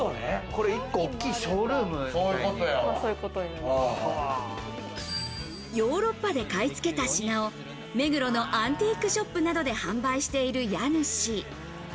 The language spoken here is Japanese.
これ１個、大きいショールーヨーロッパで買い付けた品を目黒のアンティークショップなどで販売している家主。